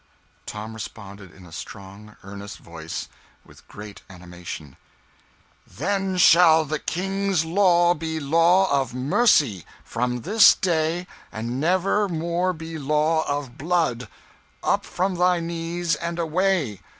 Tom responded, in a strong, earnest voice, and with great animation "Then shall the king's law be law of mercy, from this day, and never more be law of blood! Up from thy knees and away!